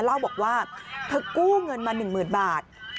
เล่าบอกว่าเธอกู้เงินมา๑๐๐๐บาท